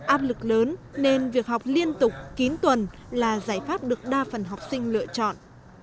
áp lực lớn nên việc học liên tục kín tuần là giải pháp được đa phần học sinh lựa chọn